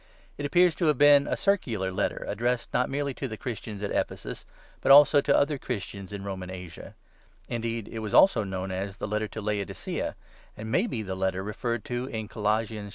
It appears to have been a circular letter addressed, not merely to the Christians of Ephesus, but also to the other Churches in Roman Asia ; indeed, it was also known as "The Letter to Laodicea," and may be the letter referred to in Colossians 4.